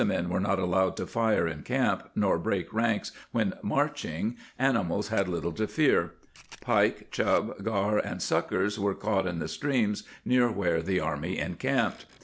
200 ] ^he Army in Motion were not allowed to fire in camp nor break ranks when marching, animals had little to fear. Pike, chub, gar and suckers were caught in the streams near where the army encamped.